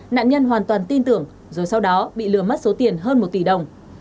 nạn nhân hoàn toàn tin tưởng rồi sau đó bị lừa mất số tiền hơn một tỷ đồng